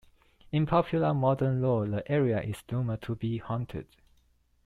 In popular modern lore, the area is rumored to be haunted.